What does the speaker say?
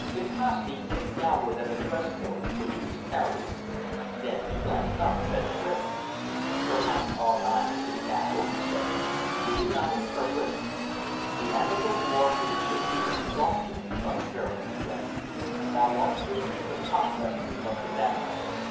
Nikasti looked downwards at the dress coat which he was carrying. Then he glanced up at Von Schwerin. "Perhaps our eyes have been dazzled," he said. "Will you not interpret?" "The end of the war will be a peace of exhaustion," Von Schwerin explained. "Our loftier dreams of conquest we must abandon.